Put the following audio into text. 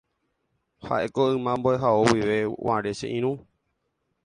Ha'éko yma mbo'ehao guive guare che irũ.